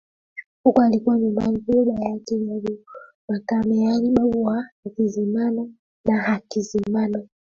Huko alikuwa nyumbani kwa baba yake Jabir Makame yaani babu wa Hakizimana na Hakizemana